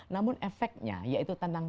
namun efeknya yaitu tentang